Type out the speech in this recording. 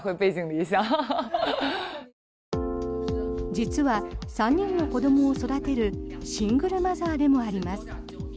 実は３人の子どもを育てるシングルマザーでもあります。